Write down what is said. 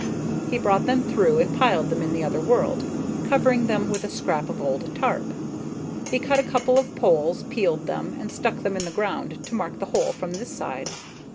He brought them through and piled them in the other world, covering them with a scrap of old tarp. He cut a couple of poles, peeled them, and stuck them in the ground to mark the hole from this side.